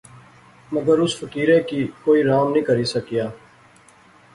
مگر اس فقیرے کی کوئی رام نی کری سکیا